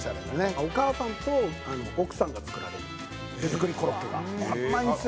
お義母さんと奥さんが作られる手作りコロッケがこれうまいんですよ。